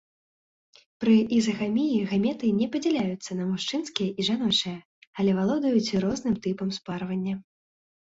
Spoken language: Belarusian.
Пры ізагаміі гаметы не падзяляюцца на мужчынскія і жаночыя, але валодаюць розным тыпам спарвання.